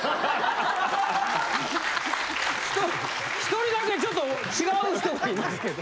ひと１人だけちょっと違う人がいますけど。